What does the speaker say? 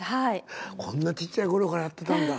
こんなちっちゃいころからやってたんだ。